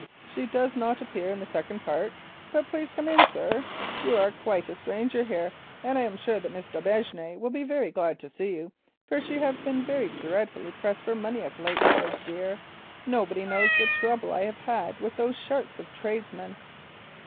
She does not appear in the second part. But please come in, sir, you are quite a stranger here, and I am sure that Mrs. d'Aubigne will be very glad to see you, for she have been dreadfully pressed for money of late, poor dear; nobody knows the trouble that I have had with those sharks of tradesmen."